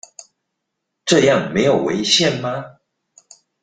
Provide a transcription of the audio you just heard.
這樣沒有違憲嗎？